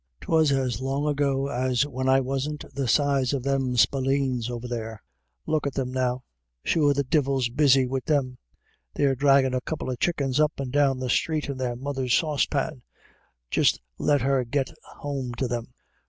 " 'Twas as long ago as when I wasn't the size of them spalpeens over there — Look at them now ; sure the divil's busy wid them ; they're draggin' a couple of chuckens up and down the street in their mother's saucepan ; just let her git home to them.